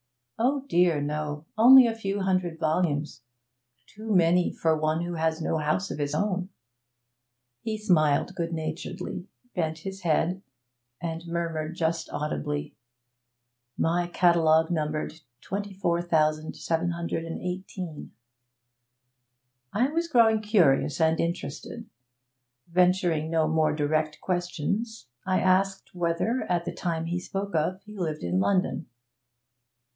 'Oh dear, no. Only a few hundred volumes. Too many for one who has no house of his own.' He smiled good naturedly, bent his head, and murmured just audibly: 'My catalogue numbered 24,718.' I was growing curious and interested. Venturing no more direct questions, I asked whether, at the time he spoke of, he lived in London.